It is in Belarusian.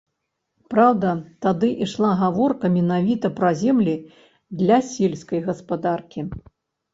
Праўда, тады ішла гаворка менавіта пра землі для сельскай гаспадаркі.